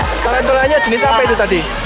kelentulanya jenis apa itu tadi